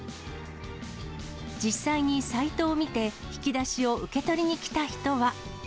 実際にサイトを見て引き出しを受け取りに来た人は。